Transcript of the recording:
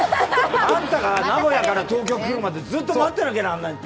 あんたが名古屋から東京に来るまでずっと待ってなきゃなんないって。